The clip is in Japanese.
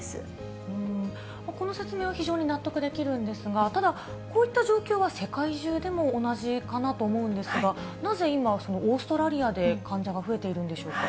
この説明は非常に納得できるんですが、ただ、こういった状況は世界中でも同じかなと思うんですが、なぜ今、オーストラリアで患者が増えているんでしょうか。